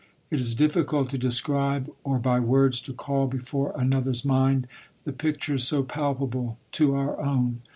It is difficult to describe, or by words to call be fore another's mind, the picture so palpable to our own.